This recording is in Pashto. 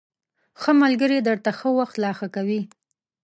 ښه ملگري درته ښه وخت لا ښه کوي